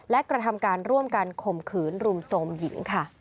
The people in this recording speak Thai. และกระทำการร่วมกันข่มขืนรุมโทรมหญิงค่ะ